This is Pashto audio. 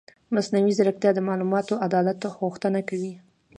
مصنوعي ځیرکتیا د معلوماتي عدالت غوښتنه کوي.